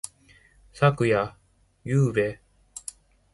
昨夜。ゆうべ。